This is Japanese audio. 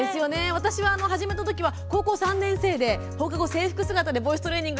私は始めたときは高校３年生で放課後、制服姿でボイストレーニング。